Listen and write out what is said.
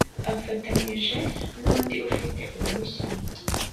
afatanyije n’ undi ufite uruhushya